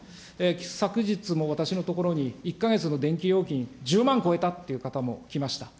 昨日も私のところに１か月の電気料金１０万超えたっていう方も来ました。